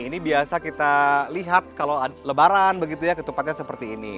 ini biasa kita lihat kalau lebaran begitu ya ketupatnya seperti ini